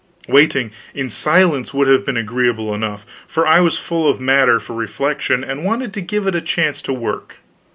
Waiting, in silence, would have been agreeable enough, for I was full of matter for reflection, and wanted to give it a chance to work.